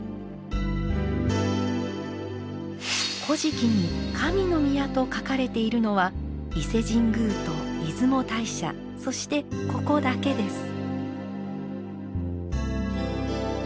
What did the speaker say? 「古事記」に「神の宮」と書かれているのは伊勢神宮と出雲大社そしてここだけです。